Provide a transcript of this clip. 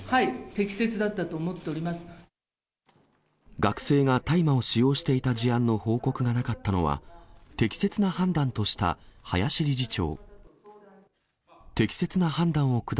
適切だったと思学生が大麻を使用していた事案の報告がなかったのは、適切な判断とした林理事長。